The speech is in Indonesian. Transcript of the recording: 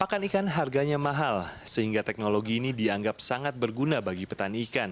pakan ikan harganya mahal sehingga teknologi ini dianggap sangat berguna bagi petani ikan